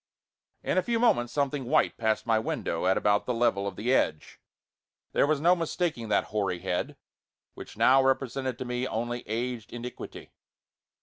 In a few moments something white passed my window at about the level of the edge. There was no mistaking that hoary head, which now represented to me only aged iniquity.